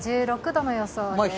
１６度の予想です。